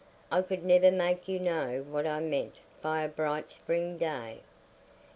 I could never make you know what I meant by a bright spring day.